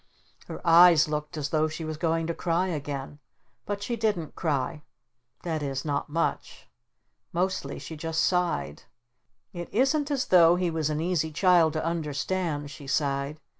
Her eyes looked as though she was going to cry again. But she didn't cry. That is, not much. Mostly she just sighed. "It isn't as though he was an easy child to understand," she sighed.